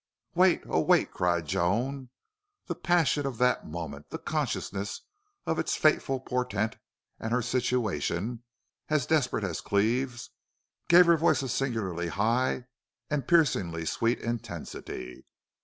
"Wait!... Oh, WAIT!" cried Joan. The passion of that moment, the consciousness of its fateful portent and her situation, as desperate as Cleve's, gave her voice a singularly high and piercingly sweet intensity.